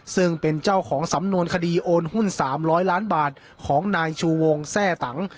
ซึ่งเป็นเจ้าของสำนวนคดีโอนหุ้น๓๐๐ล้านบาทของนายชูวงแทร่ตัง